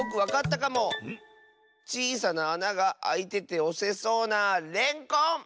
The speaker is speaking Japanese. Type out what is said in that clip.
ちいさなあながあいてておせそうなレンコン！